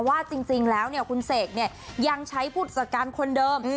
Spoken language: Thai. ว่าจริงแล้วคุณเสกเนี่ยยังใช้ผู้จัดการคนเดิม